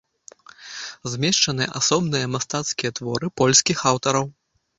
Змешчаны асобныя мастацкія творы польскіх аўтараў.